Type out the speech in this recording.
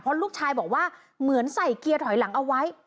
ลูกชายบอกว่าเหมือนใส่เกียร์ถอยหลังเอาไว้